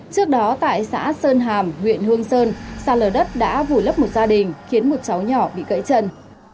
trước đó tại xã sơn hàm huyện hương sơn sạt lở đất đã vùi lấp một gia đình khiến một cháu nhỏ bị gãy chân